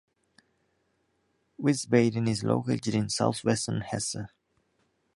Wiesbaden is located in southwestern Hesse.